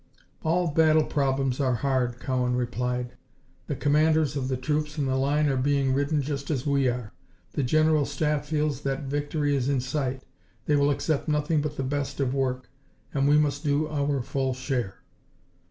"All battle problems are hard," Cowan replied. "The commanders of the troops in the line are being ridden just as we are. The General Staff feels that victory is in sight. They will accept nothing but the best of work, and we must do our full share."